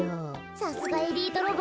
さすがエリートロボ。